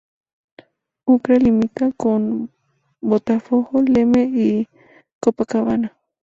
Urca limita con Botafogo, Leme y Copacabana.